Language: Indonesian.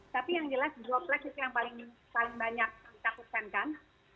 tapi yang jelas droplex itu yang paling banyak ditakutkan kan